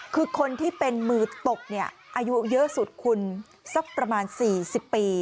คือคนที่เป็นมือตกอายุเยอะสุดคุณสักประมาณ๔๐ปี